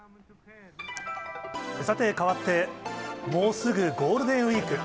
さて、変わってもうすぐゴールデンウィーク。